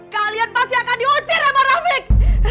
kalian pasti akan diusir sama rame